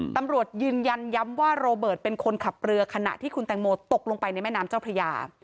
ตำรวจยืนยันย้ำว่าโรเบิร์ตเป็นคนขับเรือขณะที่คุณแตงโมตกลงไปในแม่น้ำเจ้าพระยา